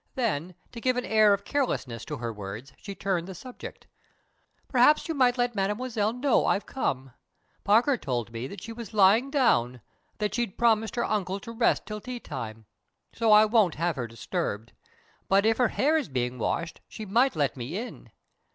Then, to give an air of carelessness to her words, she turned the subject. "Perhaps you might let Mademoiselle know I've come. Parker told me that she was lying down that she'd promised her uncle to rest till tea time. So I wouldn't have her disturbed. But if her hair is being washed, she might let me in."